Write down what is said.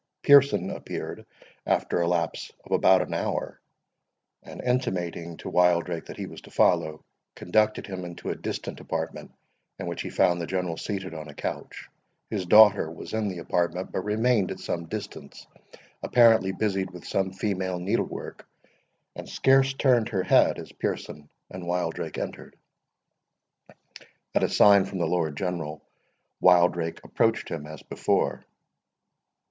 Pearson appeared, after a lapse of about an hour, and, intimating to Wildrake that he was to follow, conducted him into a distant apartment, in which he found the General seated on a couch. His daughter was in the apartment, but remained at some distance, apparently busied with some female needle work, and scarce turned her head as Pearson and Wildrake entered. At a sign from the Lord General, Wildrake approached him as before.